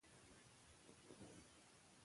خندا د انسان فطري اړتیا ده.